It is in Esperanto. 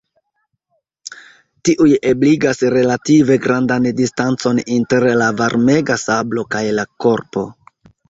Tiuj ebligas relative grandan distancon inter la varmega sablo kaj la korpo.